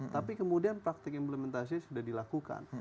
tapi kemudian praktik implementasinya sudah dilakukan